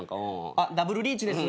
あっダブルリーチです。